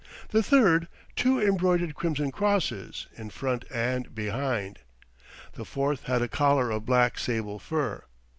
The third, two embroidered crimson crosses, in front and behind. The fourth had a collar of black sable fur.